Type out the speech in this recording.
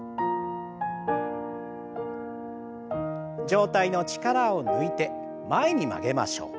上体の力を抜いて前に曲げましょう。